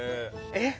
えっ